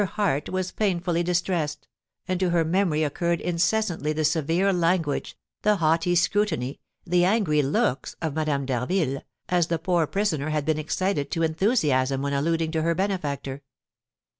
Her heart was painfully distressed, and to her memory occurred incessantly the severe language, the haughty scrutiny, the angry looks, of Madame d'Harville, as the poor prisoner had been excited to enthusiasm when alluding to her benefactor.